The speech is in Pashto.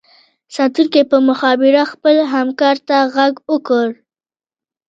ساتونکي په مخابره خپل همکار ته غږ وکړو